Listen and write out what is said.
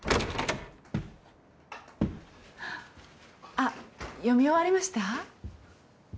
あっ読み終わりました？